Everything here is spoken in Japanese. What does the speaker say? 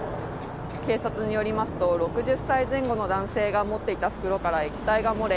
警察によりますと、６０歳前後の男性が持っていた袋から液体が漏れ